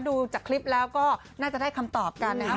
ดูจากคลิปแล้วก็น่าจะได้คำตอบกันนะครับ